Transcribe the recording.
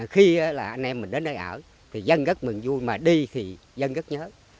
khi là anh em mình đến nơi ở thì dân rất mừng vui mà đi thì dân rất nhớ